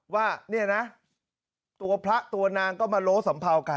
ว่าเนี่ยนะตัวพระตัวนางก็มาโล้สัมเภากัน